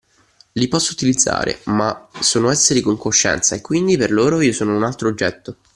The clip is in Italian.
Li posso utilizzare, ma sono esseri con coscienza e quindi per loro io sono un altro oggetto